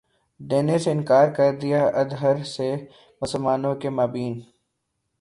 دینے سے انکار کر دیا ادھر سے مسلمانوں کے مابین